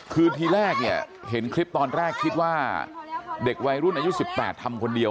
คือทีแรกเนี่ยเห็นคลิปตอนแรกคิดว่าเด็กวัยรุ่นอายุ๑๘ทำคนเดียว